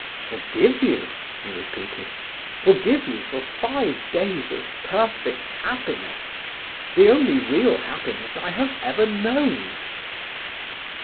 "Forgive you?" he repeated. "Forgive you for five days of perfect happiness; the only real happiness I have ever known!"